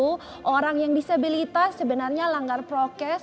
karena di berita tadi itu orang yang disabilitas sebenarnya langgar prokes